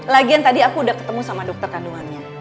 lagian tadi aku udah ketemu sama dokter kandungannya